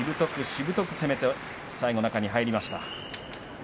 しぶとく攻めて最後は中に入りました。